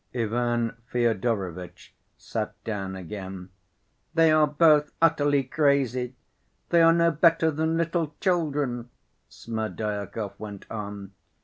Ivan Fyodorovitch sat down again. "They are both utterly crazy, they are no better than little children," Smerdyakov went on.